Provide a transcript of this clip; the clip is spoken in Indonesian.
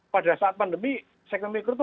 pada saat pandemi segmen mikro itu